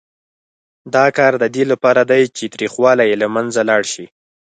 دا کار د دې لپاره دی چې تریخوالی یې له منځه لاړ شي.